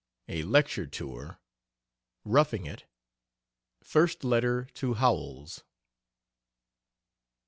A LECTURE TOUR. "ROUGHING IT." FIRST LETTER TO HOWELLS.